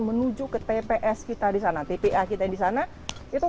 geliat unit usaha bank sampah kub pesat bumg blangkrung